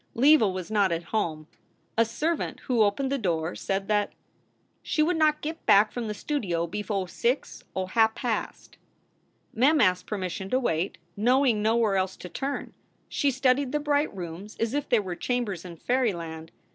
Leva was not at home. A servant who opened the door said that "she would not git back from the stoodio befo six or happast." Mem asked permission to wait, knowing nowhere else to turn ; she studied the bright rooms as if they were chambers in fairyland.